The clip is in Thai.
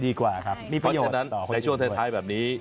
เพราะฉะนั้นในช่วงท้ายแบบนี้